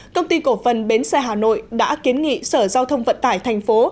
công ty cổ phần bến xe hà nội đã kiến nghị sở giao thông vận tải thành phố